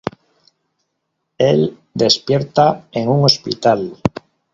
Él despierta en un hospital.